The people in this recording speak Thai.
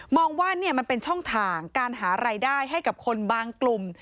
ว่ามันเป็นช่องทางการหารายได้ให้กับคนบางกลุ่ม